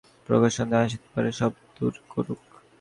সাধন আরম্ভ করিবার পূর্বে মনে যত প্রকার সন্দেহ আসিতে পারে, সব দূর করুন।